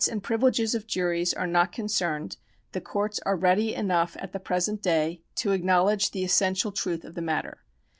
178 PRECEDENT [§ 69 and privileges of juries are not concerned, the courts are ready enough at the present day to acknowledge the essential truth of the matter.